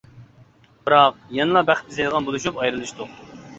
بىراق يەنىلا بەخت ئىزدەيدىغان بولۇشۇپ ئايرىلىشتۇق.